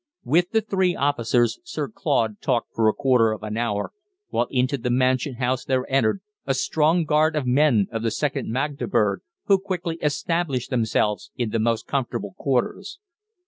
With the three officers Sir Claude talked for a quarter of an hour, while into the Mansion House there entered a strong guard of men of the 2nd Magdeburg, who quickly established themselves in the most comfortable quarters.